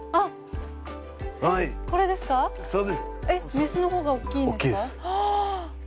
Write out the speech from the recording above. メスの方が大きいんですか？